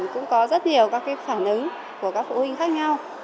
cũng có rất nhiều các phản ứng của các phụ huynh khác nhau